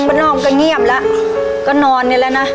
มันนอกก็เงียบแล้วก็นอนอยู่แล้วนะ